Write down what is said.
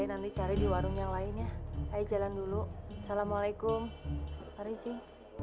nanti cari di warung yang lainnya jalan dulu assalamualaikum hari jing